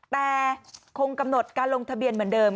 แต่คงกำหนดการลงทะเบียนเหมือนเดิม